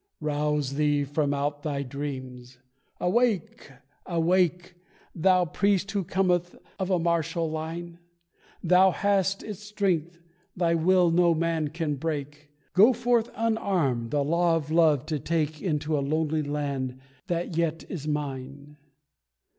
"Rouse thee from out thy dreams! Awake! Awake! Thou priest who cometh of a martial line! Thou hast its strength, thy will no man can break: Go forth unarmed, the law of love to take Into a lonely land, that yet is Mine."